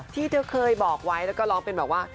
ที่เธอเคยบอกไว้แล้วก็ร้องเป็นแบบว่า